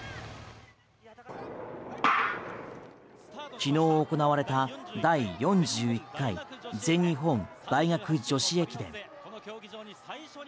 昨日行われた第４１回全日本大学女子駅伝。